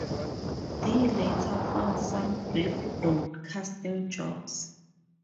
Dee later found some brief broadcasting jobs.